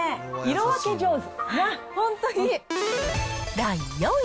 色分け上手。